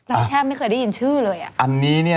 เราแค่ไม่เคยได้ยินชื่อเลย